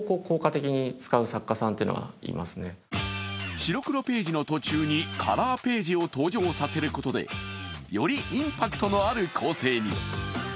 白黒ページの途中にカラーページを登場させることでよりインパクトのある構成に。